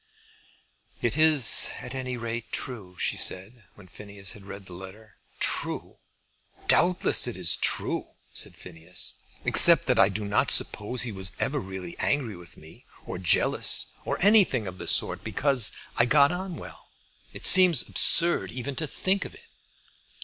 "It is at any rate true," she said, when Phineas had read the letter. "True! Doubtless it is true," said Phineas, "except that I do not suppose he was ever really angry with me, or jealous, or anything of the sort, because I got on well. It seems absurd even to think it."